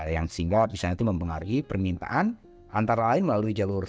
yang sehingga misalnya itu mempengaruhi permintaan antara lain melalui jalur